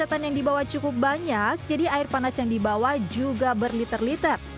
kesehatan yang dibawa cukup banyak jadi air panas yang dibawa juga berliter liter